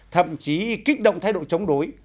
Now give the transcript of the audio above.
thậm chí kích động thái độ chống đối